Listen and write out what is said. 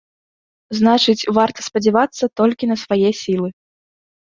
Значыць, варта спадзявацца толькі на свае сілы.